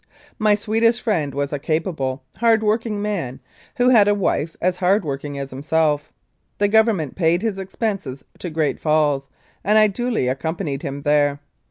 My Swedish friend was a capable, hard working man, who had a wife as hard working as himself. The Government paid his expenses to Great Falls, and I duly accompanied him there.